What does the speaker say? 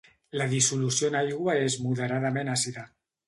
La dissolució en aigua és moderadament àcida.